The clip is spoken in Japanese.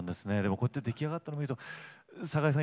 こうやって出来上がったの見ると寒河江さん